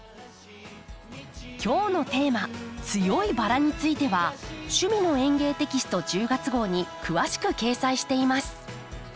今日のテーマ「強いバラ」については「趣味の園芸」テキスト１０月号に詳しく掲載しています。